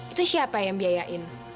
itu siapa yang biayain